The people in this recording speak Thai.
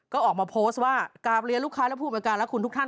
ก็ออกมาโพสต์ว่ากราบเรียนลูกค้าและผู้ประการและคุณทุกท่าน